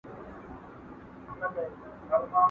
¬ سلا د مړو هنر دئ.